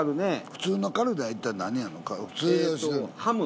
普通のカルネは一体何やの？